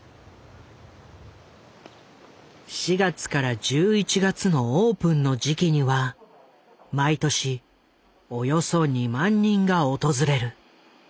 ４月から１１月のオープンの時期には毎年およそ２万人が訪れる。